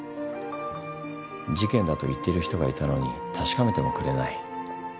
事件だと言ってる人がいたのに確かめてもくれない。